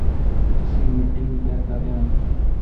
اسين مٽينگ پيا ڪريان